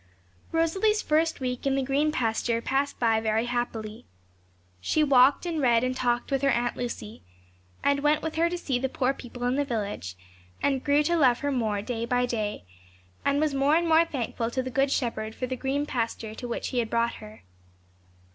Rosalie's first week in the green pasture passed by very happily. She walked and read and talked with her Aunt Lucy, and went with her to see the poor people in the village, and grew to love her more day by day, and was more and more thankful to the Good Shepherd for the green pasture to which He had brought her.